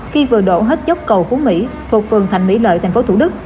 khi vừa đổ hết dốc cầu phú mỹ thuộc phường thành mỹ lợi tp thủ đức